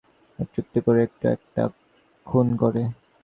একটু একটু করে, একটা একটা খুন করে।